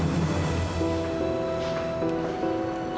terima kasih bu